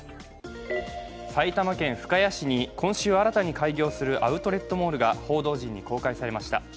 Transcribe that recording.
埼玉県深谷市に、今週新たに開業するアウトレットモールが報道陣に公開されました。